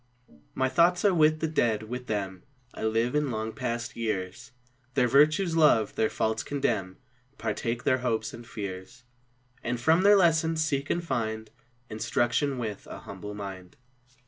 My thoughts are with the Dead, with them I live in long past years, Their virtues love, their faults condemn, Partake their hopes and fears, And from their lessons seek and find Instruction with ^n humble mind.